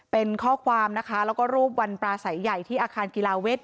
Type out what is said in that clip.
เป็นข้อความนะคะแล้วก็รูปวันปลาใสใหญ่ที่อาคารกีฬาเวท